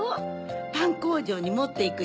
パンこうじょうにもっていく